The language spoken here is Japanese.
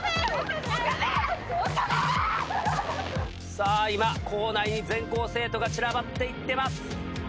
さあ今校内に全校生徒が散らばっていってます。